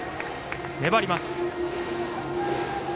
粘ります。